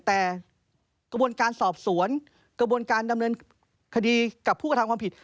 แต่กระบวนการสอบสวนกระบวนการดำเนินคดีกับผู้กระทำความผิด